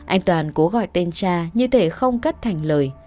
anh toàn cố gọi tên cha như thế không cất thành lời